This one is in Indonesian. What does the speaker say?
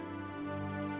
amin ya allah